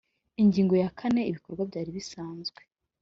Ingingo ya kane Ibikorwa byari bisanzwe